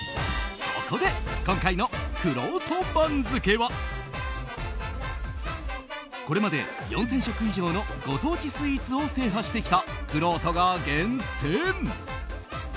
そこで、今回のくろうと番付はこれまで４０００食以上のご当地スイーツを制覇してきたくろうとが厳選。